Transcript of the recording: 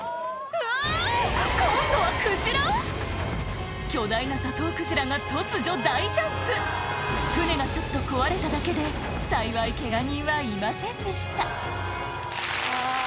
うわ！今度はクジラ⁉巨大なザトウクジラが突如大ジャンプ船がちょっと壊れただけで幸いケガ人はいませんでしたうわ。